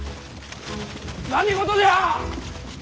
何事じゃ！